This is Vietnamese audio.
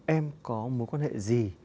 em có mối quan hệ gì